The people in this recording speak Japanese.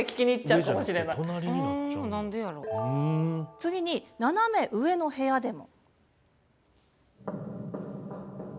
次に斜め上の部屋でも。